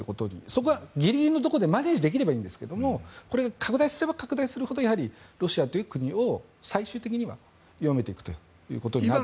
そこはギリギリのところでマネジできればいいんですがこれが拡大すれば拡大するほどロシアという国を最終的には弱めていくことになると思います。